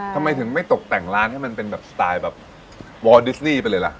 ทำไมถึงไม่ตกแต่งร้านให้มันเป็นแบบสไตล์แบบวอลดิสนี่ไปเลยล่ะ